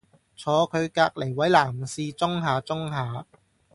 坐佢隔離位男士舂下舂下